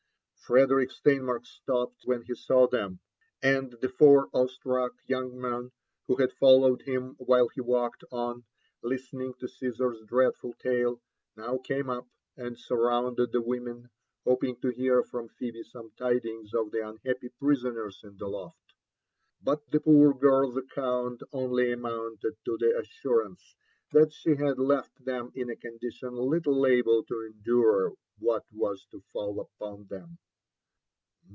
Frederick Steinmark stopped ifrhen he saw them ; and the four awe struck young men who had followed him while he walked on, listening to Gffisar's dreadful tale, now capie up, 4nd surrounded the women, hoping to hear frop Phebe soiqe tidings of the unhappy prisoners in the loft. But the poor girl's account only amounted to the assurance that she had left them in a condition little able to endure what was to fall upon them.